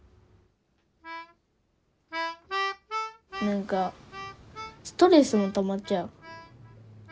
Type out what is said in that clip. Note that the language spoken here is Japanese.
何かストレスがたまっちゃう。